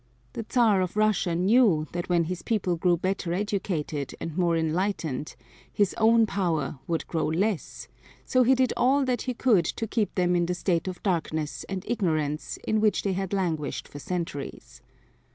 The Czar of Russia knew that when his people grew better educated and more enlightened his own power would grow less, so he did all that he could to keep them in the state of darkness and ignorance in which they had languished for centuries.